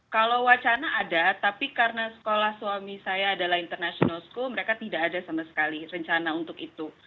kalau wacana ada tapi karena sekolah suami saya adalah international school mereka tidak ada sama sekali rencana untuk itu